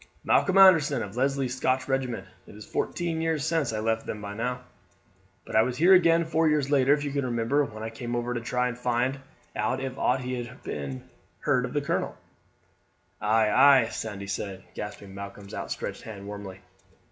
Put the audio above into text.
"Malcolm Anderson, of Leslie's Scotch regiment. It's fourteen years since I left them now; but I was here again four years later, if you can remember, when I came over to try and find out if aught had been heard of the colonel." "Ay, ay," Sandy said, grasping Malcolm's outstretched hand warmly.